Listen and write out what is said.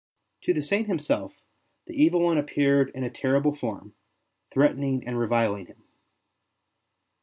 To the Saint himself the Evil One appeared in a terrible form, threatening and reviling him.